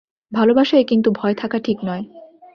ভালবাসায় কিন্তু ভয় থাকা ঠিক নয়।